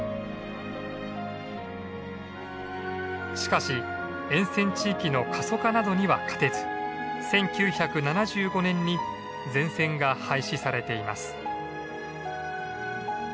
しかし沿線地域の過疎化などには勝てず１９７５年に全線が廃止されています。